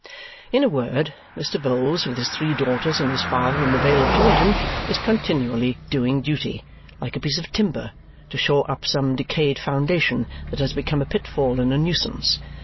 In a word, Mr. Vholes, with his three daughters and his father in the Vale of Taunton, is continually doing duty, like a piece of timber, to shore up some decayed foundation that has become a pitfall and a nuisance.